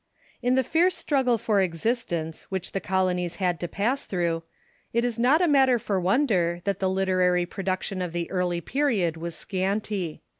] Ik the fierce struggle for existence which the colonies had to pass through, it is not a matter for wonder that the literary production of the early period was scanty.